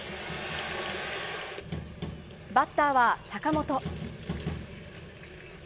バッターは坂本。